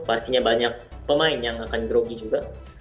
pastinya banyak pemain yang akan grogi juga